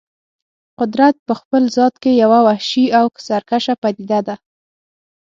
قدرت په خپل ذات کې یوه وحشي او سرکشه پدیده ده.